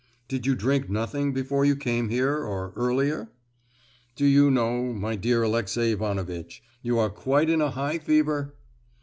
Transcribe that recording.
"Did you drink nothing before you came here, or earlier?" "Do you know, my dear Alexey Ivanovitch, you are quite in a high fever!"